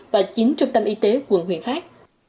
và chín trung tâm y tế quận huyền pháp